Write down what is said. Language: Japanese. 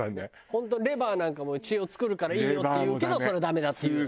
本当レバーなんかも血を作るからいいよっていうけどそれはダメだっていうよね。